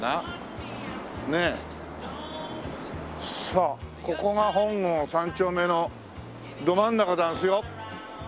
さあここが本郷三丁目のど真ん中ざんすよ。